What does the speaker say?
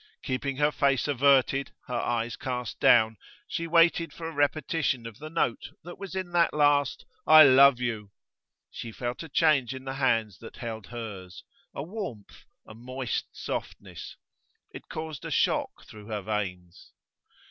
Keeping her face averted, her eyes cast down, she waited for a repetition of the note that was in that last 'I love you.' She felt a change in the hands that held hers a warmth, a moist softness; it caused a shock through her veins.